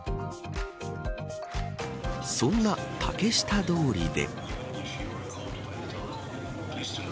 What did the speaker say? そんな竹下通りで。